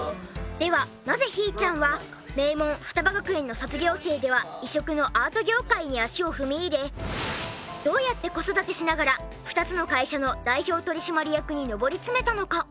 ではなぜひーちゃんは名門雙葉学園の卒業生では異色のアート業界に足を踏み入れどうやって子育てしながら２つの会社の代表取締役に上り詰めたのか？